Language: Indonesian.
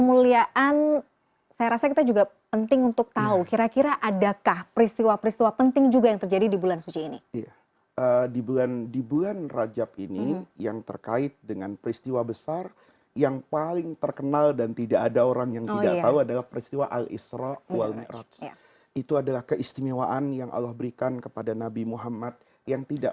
misalnya karena dia dapat warisan dari orang tuanya